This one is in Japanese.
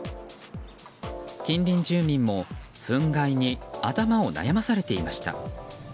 近隣住民も、ふん害に頭を悩まされていました。